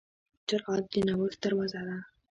جرأت د نوښت دروازه ده.